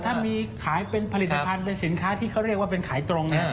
ถ้ามีผลิตภันธ์สินค้าที่เรียกว่าเป็นขายตรง